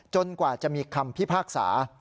กว่าจะมีคำพิพากษา